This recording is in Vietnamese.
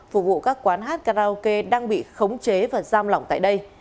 phục vụ các quán hát karaoke đang bị khống chế và giam lỏng tại đây